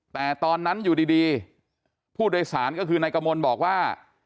แต่ตอนนั้นอยู่ดีผู้โดยสารก็คือนายกมลบอกว่า